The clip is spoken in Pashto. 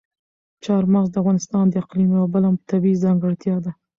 چار مغز د افغانستان د اقلیم یوه بله طبیعي ځانګړتیا ده.